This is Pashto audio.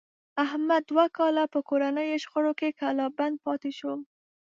احمد دوه کاله په کورنیو شخړو کې کلا بند پاتې شو.